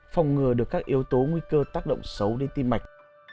phòng ngừa được các yếu tố nguy cơ tác động xấu đến tim mạch